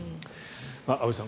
安部さん